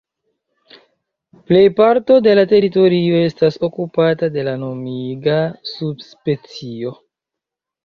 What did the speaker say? Plej parto de la teritorio estas okupata de la nomiga subspecio.